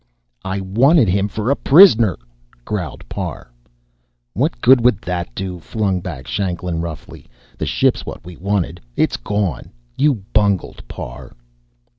"I wanted him for a prisoner!" growled Parr. "What good would that do?" flung back Shanklin roughly. "The ship's what we wanted. It's gone. You bungled, Parr."